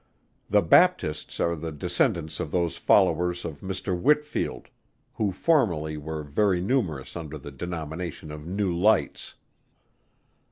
The Baptists are the descendants of those followers of Mr. WHITFIELD, who formerly were very numerous under the denomination of New Lights.